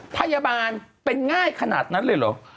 พยาบาลเป็นง่ายขนาดนั้นเลยเหรอ